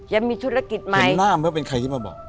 ยังมีธุรกิจมาเห็นหน้าไหมเป็นใครที่มาบอก